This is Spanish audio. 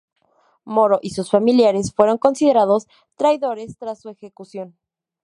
Moro y sus familiares fueron considerados traidores tras su ejecución.